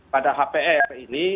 pada hpf ini